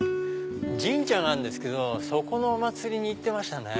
神社があるんですけどそこのお祭りに行ってましたね。